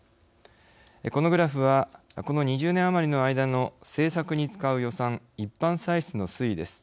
このグラフはこの２０年余りの間の政策に使う予算、一般歳出の推移です。